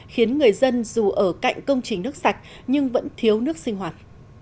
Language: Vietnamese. khiến người dân dù ở cạnh công trình nước sạch nhưng vẫn thiếu nước sinh hoạt